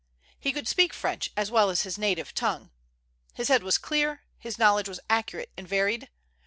He could speak French as well as his native tongue. His head was clear; his knowledge was accurate and varied.